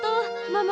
ママ